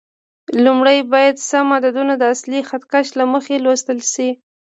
لومړی باید سم عددونه د اصلي خط کش له مخې لوستل شي.